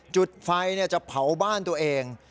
จุดไฟจะเผาบ้านตัวเอง